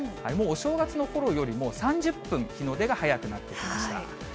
もうお正月のころよりも、３０分、日の出が早くなってきました。